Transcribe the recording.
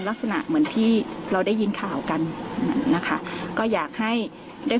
ลักษณะเหมือนที่เราได้ยินข่าวกันนะคะก็อยากให้ได้